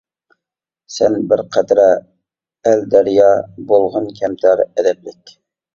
سەن بىر قەترە، ئەل دەريا، بولغىن كەمتەر، ئەدەپلىك.